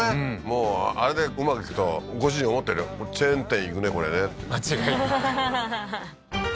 もうあれだけうまくいくとご主人思ってるよ「チェーン店いくねこれね」って間違いないははははっ